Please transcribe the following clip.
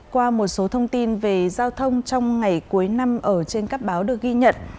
qua một số thông tin về giao thông trong ngày cuối năm ở trên các báo được ghi nhận